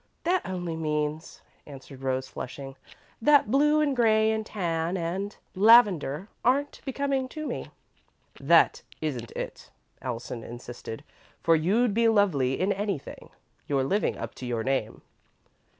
"That only means," answered Rose, flushing, "that blue and grey and tan and lavender aren't becoming to me." "That isn't it," Allison insisted, "for you'd be lovely in anything. You're living up to your name."